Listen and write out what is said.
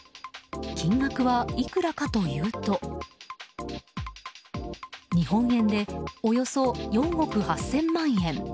金額はいくらかというと日本円でおよそ４億８０００万円。